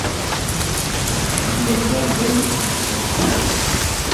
Il fut également bailli du Cotentin.